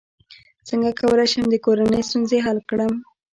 څنګه کولی شم د کورنۍ ستونزې حل کړم